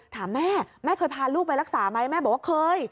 ถามแม่แม่เคยพาลูกไปรักษาไหมแม่บอกว่าเคย